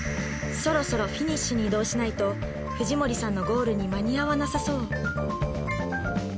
そろそろフィニッシュに移動しないと藤森さんのゴールに間に合わなさそう